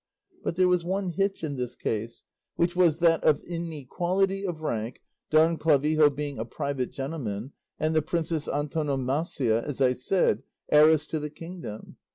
But there was one hitch in this case, which was that of inequality of rank, Don Clavijo being a private gentleman, and the Princess Antonomasia, as I said, heiress to the kingdom.